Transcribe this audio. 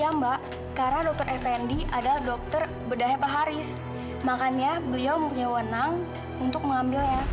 ya mbak karena dokter fnd adalah dokter berdaya pak haris makanya beliau punya wenang untuk mengambilnya